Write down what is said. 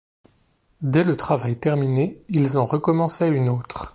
Dès le travail terminé, ils en recommençaient une autre.